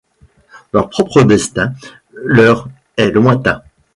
Leur propre destin leur est lointain.